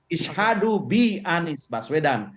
ishadu bi anies baswedan